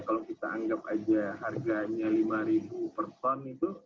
kalau kita anggap saja harganya lima per ton itu